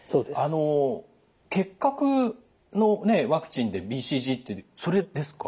あの結核のねワクチンでＢＣＧってそれですか？